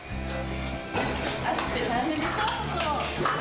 暑くて大変でしょう？